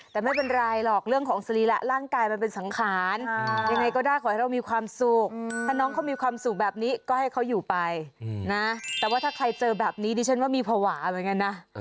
แต่ว่าถ้าใครเจอแบบนี้ดิฉันว่ามีภาวะเหมือนกันนะ